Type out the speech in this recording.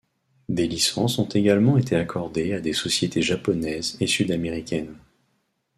Des licences ont également été accordées à des sociétés japonaises et sud-américaines.